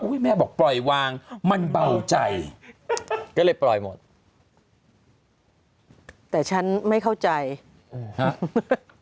แม่บอกปล่อยวางมันเบาใจก็เลยปล่อยหมดแต่ฉันไม่เข้าใจอืมฮะ